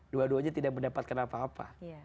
dua duanya tidak mendapatkan apa apa